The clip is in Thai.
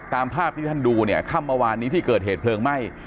ตามภาพที่ท่านดูเนี่ยค่ำเมื่อวานนี้ที่เกิดเหตุเพลิงไหม้